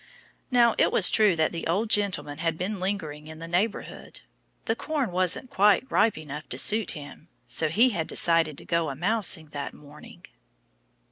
Now, it was true that the old gentleman had been lingering in the neighborhood. The corn wasn't quite ripe enough to suit him. So he had decided to go a mousing that morning.